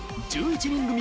１１人組